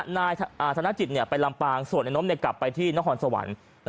นายธนจิตไปลำปางส่วนในน้มกลับไปที่นครสวรรค์